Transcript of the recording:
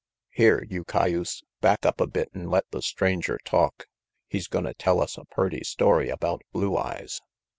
Here, you cayuse, back up a bit an' let the Stranger talk. He's gonna tell us a purty story about Blue Eyes.